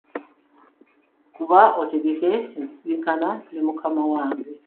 Kuba otegeke ensisinkana me mukama wange.